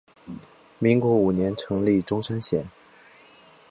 民国五年成立钟山县。